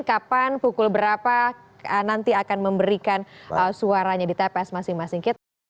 kapan pukul berapa nanti akan memberikan suaranya di tps masing masing